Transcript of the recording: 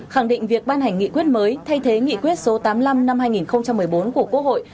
khẳng định việc ban hành nghị quyết mới thay thế nghị quyết số tám mươi năm năm hai nghìn một mươi bốn của quốc hội